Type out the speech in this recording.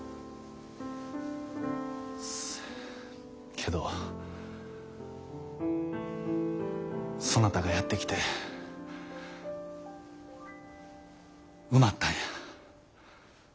けどそなたがやって来て埋まったんや。